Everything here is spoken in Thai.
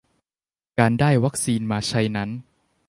การได้วัคซีนมาใช้นั้น